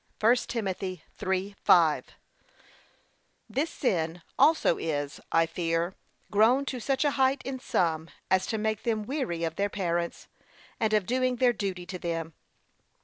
(1 Tim. 3:5) This sin also is, I fear, grown to such a height in some, as to make them weary of their parents, and of doing their duty to them.